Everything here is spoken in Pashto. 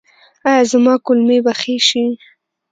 ایا زما کولمې به ښې شي؟